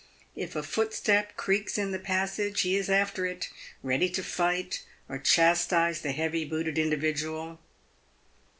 If a footstep creaks in the passage, he is after it, ready to fight or chastise the heavy hooted in dividual.